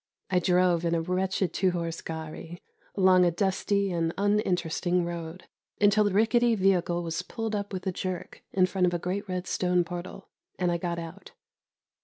I drove in a wretched two horse gharry, along a dusty and uninteresting road, until the rickety vehicle was pulled up with a jerk in front of a great red stone portal, and I got out.